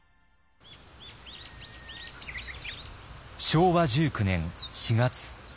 昭和１９年４月。